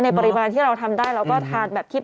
ค่ะภู๕บาท๑๐บาท